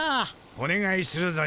おねがいするぞよ。